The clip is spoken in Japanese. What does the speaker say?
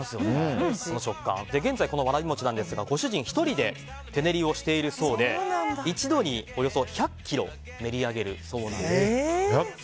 現在、このわらび餅なんですがご主人１人で手練りをしているそうで一度におよそ１００ｋｇも練り上げるそうなんです。